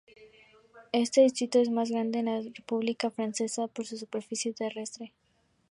Este distrito es el más grande en la República Francesa por su superficie terrestre.